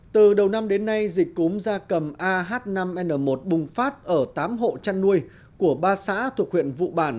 từ đầu năm đến nay dịch cúm da cầm ah năm n một bùng phát ở tám hộ chăn nuôi của ba xã thuộc huyện vụ bản